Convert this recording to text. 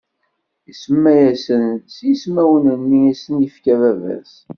Isemma-asen s yismawen-nni i sen-ifka baba-s.